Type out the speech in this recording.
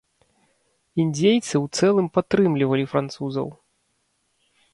Індзейцы ў цэлым падтрымлівалі французаў.